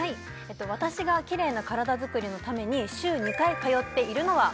私がキレイな体作りのために週２回通っているのは？